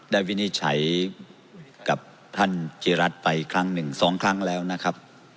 วินิจฉัยกับท่านจิรัตน์ไปครั้งหนึ่งสองครั้งแล้วนะครับ